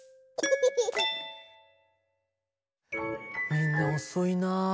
みんなおそいな。